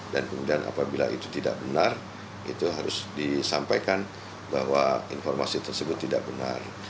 dan kemudian apabila itu tidak benar itu harus disampaikan bahwa informasi tersebut tidak benar